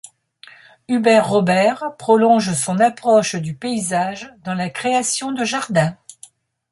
Hubert Robert prolonge son approche du paysage dans la création de jardins.